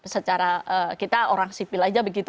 secara kita orang sipil aja begitu